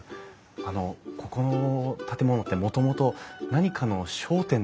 あのここの建物ってもともと何かの商店だったと思うんですけども。